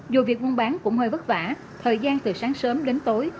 dù việc buôn bán cũng hơi vất vả thời gian từ sáng sớm đến tối